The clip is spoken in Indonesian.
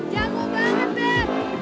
jago banget beb